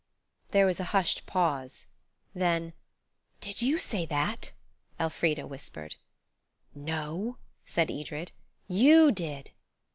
There was a hushed pause. Then– "Did you say that?" Elfrida whispered. "No," said Edred, "you did."